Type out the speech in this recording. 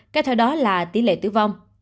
kết hợp đó là tỷ lệ tử vong